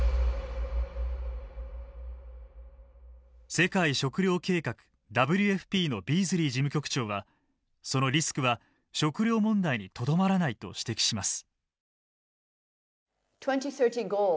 世界食糧計画・ＷＦＰのビーズリー事務局長はそのリスクは食料問題にとどまらないと指摘します。